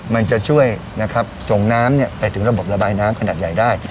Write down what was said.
มันจะช่วยนะครับส่งน้ำไปถึงระบบระบายน้ำขนาดใหญ่ได้